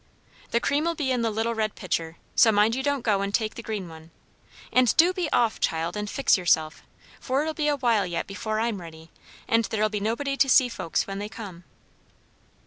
"'The cream'll be in the little red pitcher so mind you don't go and take the green one. And do be off, child, and fix yourself; for it'll be a while yet before I'm ready, and there'll be nobody to see folks when they come."